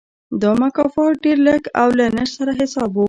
دا مکافات ډېر لږ او له نشت سره حساب و.